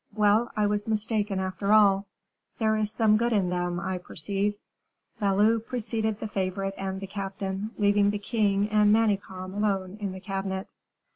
Well, I was mistaken after all. There is some good in them, I perceive." Valot preceded the favorite and the captain, leaving the king and Manicamp alone in the cabinet.